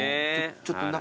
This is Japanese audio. ちょっと中。